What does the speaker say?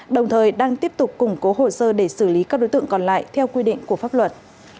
đồng thời đang tiếp tục củng cố hồ sơ để xử lý các đối tượng còn lại theo quy định của pháp luật